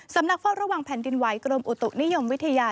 สำนักฟอบระวังแผ่นดินไหว้กรมอุตุนิยมวิทยา